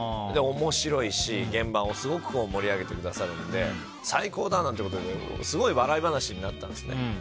面白いし、現場をすごく盛り上げてくださるので最高だなんてことですごい、笑い話になったんです。